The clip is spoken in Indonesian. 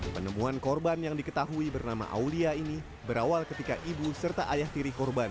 penemuan korban yang diketahui bernama aulia ini berawal ketika ibu serta ayah tiri korban